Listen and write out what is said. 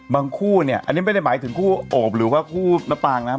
คู่เนี่ยอันนี้ไม่ได้หมายถึงคู่โอบหรือว่าคู่มะปางนะครับ